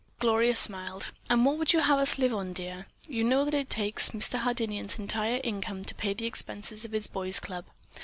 Gloria smiled. "And what would you have us live on, dear? You know that it takes Mr. Hardinian's entire income to pay the expenses of his Boys' Club.